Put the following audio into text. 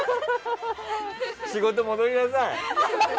仕事戻りなさい！